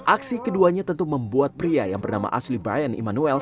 aksi keduanya tentu membuat pria yang bernama asli brian emanuels